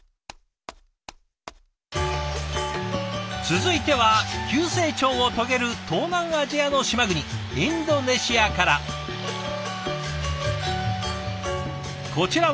続いては急成長を遂げる東南アジアの島国インドネシアから。